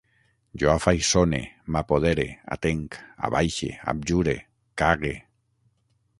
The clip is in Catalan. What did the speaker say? Jo afaiçone, m'apodere, atenc, abaixe, abjure, cague